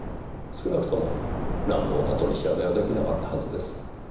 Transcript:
少なくとも乱暴な取り調べは出来なかったはずです。